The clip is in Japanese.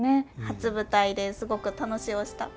初舞台ですごく楽しおした。